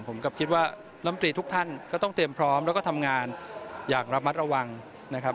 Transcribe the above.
ผมก็คิดว่าลำตรีทุกท่านก็ต้องเตรียมพร้อมแล้วก็ทำงานอย่างระมัดระวังนะครับ